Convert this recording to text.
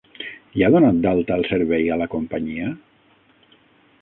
Ja ha donat d'alta el servei a la companyia?